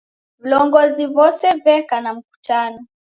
Vilongozi vose veka na mkutano